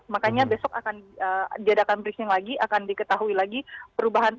makanya besok akan diadakan briefing lagi akan diketahui lagi perubahan